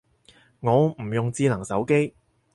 我唔用智能手機